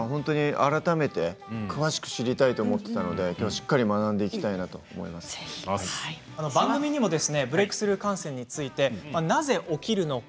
改めて詳しく知りたいと思っていましたのでしっかり番組にもブレークスルー感染についてなぜ起きるのか？